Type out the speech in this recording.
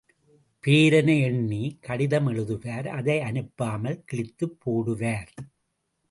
பேரனை எண்ணி, கடிதம் எழுதுவார் அதை அனுப்பாமல் கிழித்துக் போடுவார்.